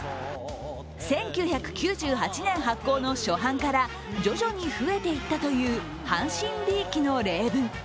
１９９８年発行の初版から徐々に増えていったという阪神びいきの例文。